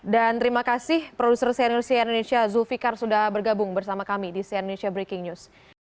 dan terima kasih produser cnu siena indonesia zulfikar sudah bergabung bersama kami di siena indonesia breaking news